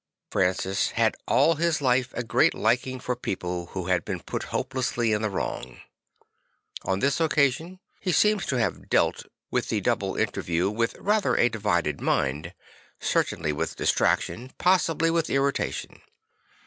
Francis had all his life a great liking for people who had been put hopelessly in the wrong. On this occasion he seems to have dealt with the double interview with rather a divided mind; certainly with distraction, possibly with irritation.